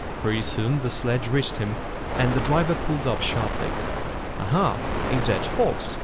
Pretty soon the sledge reached him, and the driver pulled up sharply. "Aha, a dead fox!"